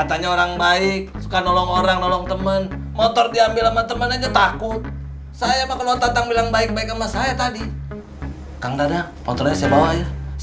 tidak aku tak ambil saya mau bisa beli lagi